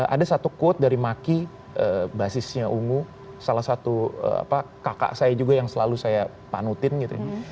ada satu quote dari maki basisnya ungu salah satu kakak saya juga yang selalu saya panutin gitu ya